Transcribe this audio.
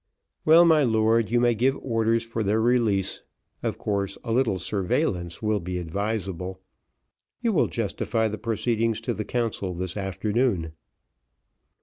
"Well, my lord, you may give orders for their release; of course a little surveillance will be advisable. You will justify the proceedings to the council, this afternoon."